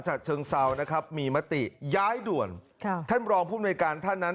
จักรเชิงเซานะครับมีมติย้ายด่วนครับท่านบรองผู้บริการท่านนั้น